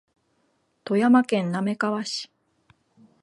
富山県滑川市